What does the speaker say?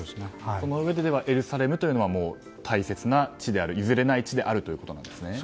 そのうえでエルサレムというのは大切な地で譲れない地であるということなんですね。